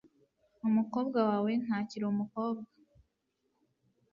Umukobwa wawe ntakiri umukobwa.